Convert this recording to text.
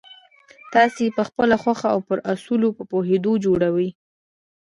تاسې یې پخپله خوښه او پر اصولو په پوهېدو جوړوئ